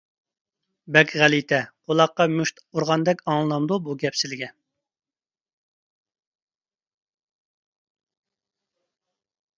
بەك غەلىتە، قۇلاققا مۇشت ئۇرغاندەك ئاڭلىنامدۇ بۇ گەپ سىلىگە؟!